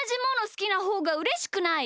すきなほうがうれしくない？